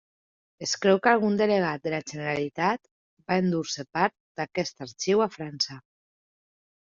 Es creu que algun delegat de la Generalitat va endur-se part d'aquest arxiu a França.